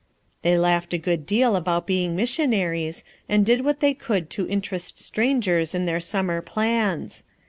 They laughed a good deal about being mis sionaries, and did what they could to inter est strangers in their summer plans.